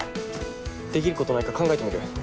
できることないか考えてみる。